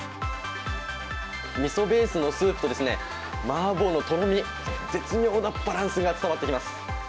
みそベースのスープと、麻婆のとろみ、絶妙なバランスが伝わってきます。